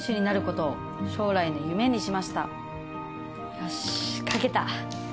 よし、書けた。